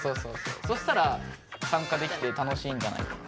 そしたらさんかできて楽しいんじゃないかな。